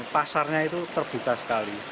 pasarnya itu terbuka sekali